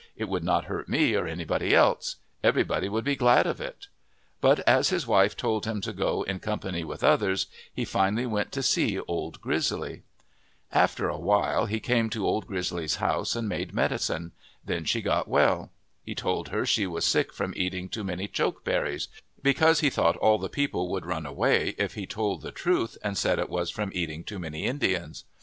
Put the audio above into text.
It would not hurt me or anybody else. Everybody would be glad of it." But as his wife told him to go in company with others, he finally went to see Old Grizzly. After a while he came to Old Grizzly's house and made medicine. Then she got well. He told her she was sick from eating too many choke cherries, because he thought all the people would run away if he told the truth and said it was from eating too many Indians.